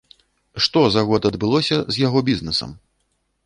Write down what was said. Што за год адбылося з яго бізнесам?